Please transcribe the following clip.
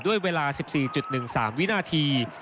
ด้วยเวลา๑๔๑๓วินาที